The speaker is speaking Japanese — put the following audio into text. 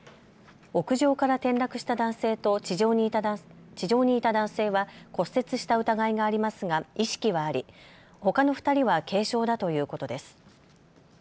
屋上から転落した男性と地上にいた男性は骨折した疑いがありますが意識はありほかの２人は軽傷だということです。